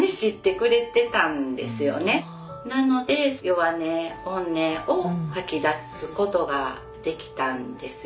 なので弱音本音を吐き出すことができたんですよね。